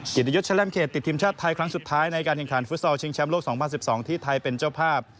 กิจยุทธ์แลมเขตติดทีมชาติไทยครั้งสุดท้ายในการแข่งขันฟุตซอลชิงแชมป์โลก๒๐๑๒ที่ไทยเป็นเจ้าภาพ